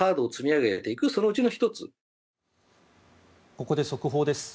ここで速報です。